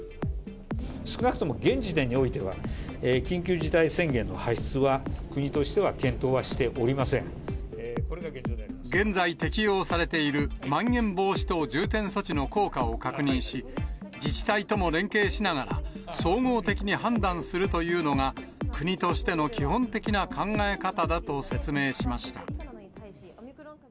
少なくとも現時点においては、緊急事態宣言の発出は、現在、適用されているまん延防止等重点措置の効果を確認し、自治体とも連携しながら、総合的に判断するというのが、国としての基本的な考え方だと説明しました。